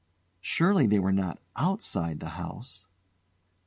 Surely they were not outside the house!